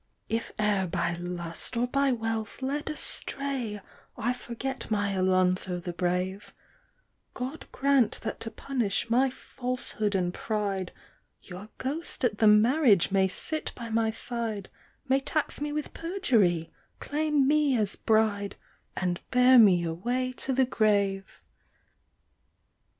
"If e'er by lust or by wealth led astray I forget my Alonzo the Brave, God grant that to punish my falsehood and pride Your ghost at the marriage may sit by my side, May tax me with perjury, claim me as bride, And bear me away to the grave."